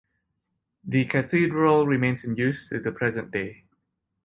The cathedral remains in use to the present day.